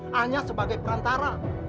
hanya sebagai perantara